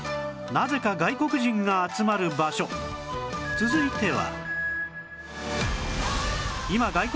続いては